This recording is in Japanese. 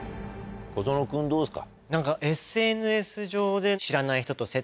小園君どうですか？